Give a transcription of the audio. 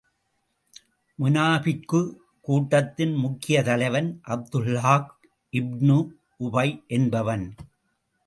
முனாபிக்குக் கூட்டத்தின் முக்கியத் தலைவன் அப்துல்லாஹ் இப்னு உபை என்பவன்.